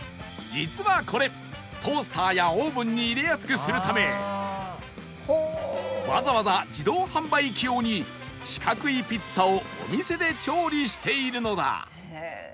実はこれトースターやオーブンに入れやすくするためわざわざ自動販売機用に四角いピッツァをお店で調理しているのだ